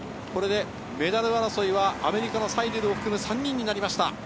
メダル争いは、アメリカのサイデルを含めて３人となりました。